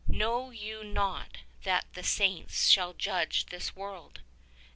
"Know you not that the Saints shall judge this world